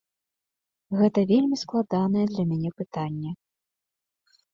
Гэта вельмі складанае для мяне пытанне.